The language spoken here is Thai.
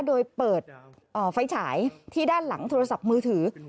โดยเปิดไฟฉายที่ด้านหลังโทรศัพท์มือถือ